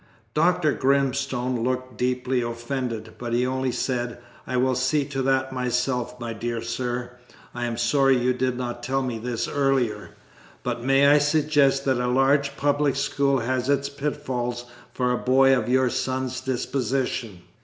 Dr. Grimstone looked deeply offended, but he only said, "I will see to that myself, my dear sir. I am sorry you did not tell me this earlier. But, may I suggest that a large public school has its pitfalls for a boy of your son's disposition?